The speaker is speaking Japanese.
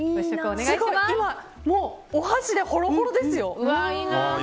今もうお箸でほろほろですよ！